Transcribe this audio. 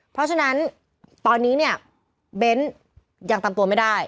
เพราะฉะนั้นตอนนี้เนี่ยเบ้นยังตามตัวไม่ได้